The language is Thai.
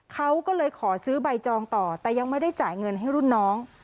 เขาก็เลยขอซื้อใบจองต่อแต่ยังไม่ได้จ่ายเงินให้รุ่นน้อง